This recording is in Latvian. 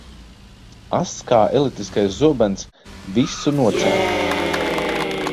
Ass kā elektriskais zobens, visu nocērt.